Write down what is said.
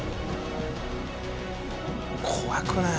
怖くない？